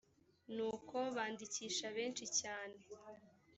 nuko bandikisha benshi cyane